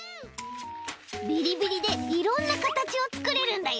ビリビリでいろんなかたちをつくれるんだよ！